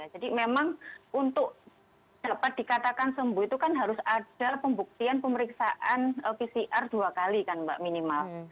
jadi memang untuk dapat dikatakan sembuh itu kan harus ada pembuktian pemeriksaan pcr dua kali kan mbak minimal